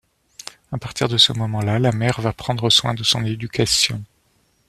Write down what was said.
À partir de ce moment-là, la mère va prendre soin de son éducation.